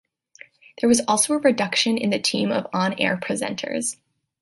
There was also a reduction in the team of on air presenters.